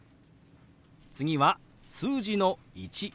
次は数字の「１」。